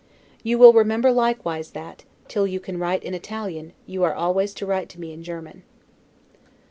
You will remember likewise, that, till you can write in Italian, you are always to write to me in German.